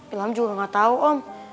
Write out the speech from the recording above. ilham juga gak tahu om